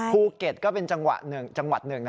ภูเก็ตก็เป็นจังหวัดหนึ่ง